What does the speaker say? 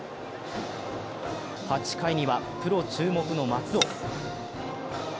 ８回にはプロ注目の松尾。